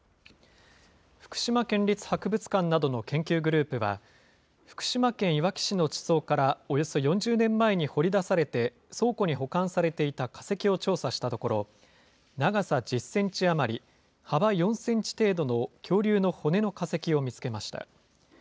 福島県立博物館などの研究グループは、福島県いわき市の地層からおよそ４０年前に掘り出されて、倉庫に保管されていた化石を調査したところ、長さ１０センチ余り、幅４センチ程度の恐竜の骨の化石を見つけました。